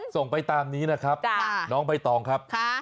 ส่งไปตามนี้นะครับน้องใบตองครับ